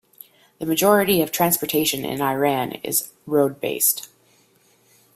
The majority of transportation in Iran is road-based.